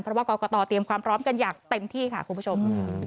เพราะว่ากรกตเตรียมความพร้อมกันอย่างเต็มที่ค่ะคุณผู้ชม